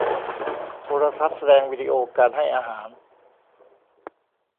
โทรทัศน์แสดงวิดีโอการให้อาหาร